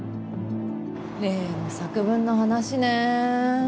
例の作文の話ねぇ。